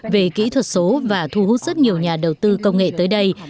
về kỹ thuật số và thu hút rất nhiều nhà đầu tư công nghệ tới đây